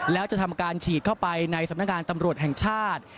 แล้วจะทำการฉีดเข้าไปในสำนักงานตำรวจแห่งชาติ